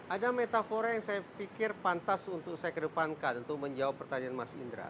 ada metafora yang saya pikir pantas untuk saya kedepankan untuk menjawab pertanyaan mas indra